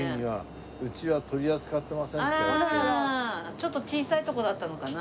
ちょっと小さいとこだったのかな。